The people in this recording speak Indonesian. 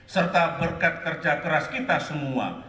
serta berkat kerja keras kita semua